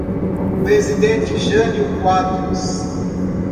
Presidente Jânio Quadros